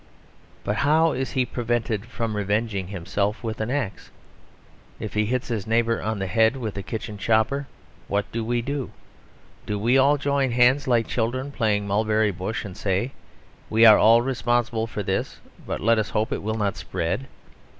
But how is he prevented from revenging himself with an axe? If he hits his neighbour on the head with the kitchen chopper, what do we do? Do we all join hands, like children playing Mulberry Bush, and say "We are all responsible for this; but let us hope it will not spread.